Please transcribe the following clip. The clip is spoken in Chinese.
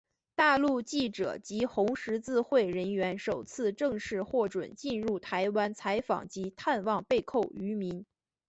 大陆记者及红十字会人员首次正式获准进入台湾采访及探望被扣渔民。